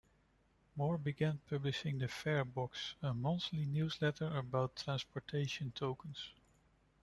Moore began publishing the "Fare Box", a monthly newsletter about transportation tokens.